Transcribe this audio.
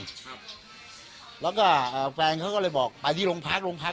ครับแล้วก็เอ่อแฟนเขาก็เลยบอกไปที่โรงพักโรงพัก